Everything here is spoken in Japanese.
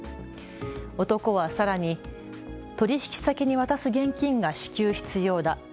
男はさらに取引先に渡す現金が至急、必要だ。